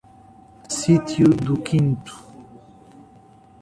Sítio do Quinto